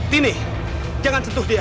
tini jangan sentuh dia